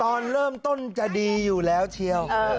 ตอนเริ่มต้นจะดีอยู่แล้วเชียว